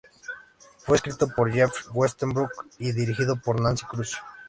Fue escrito por Jeff Westbrook y dirigido por Nancy Kruse.